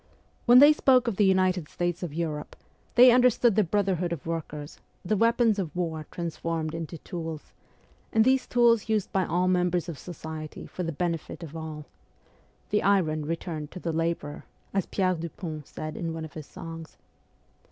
When they spoke of the United States of Europe they understood the brother hood of workers, the weapons of war transformed into tools, and these tools used by all members of society for the benefit of all ' the iron returned to the labourer,' as Pierre Dupont said in one of his songs.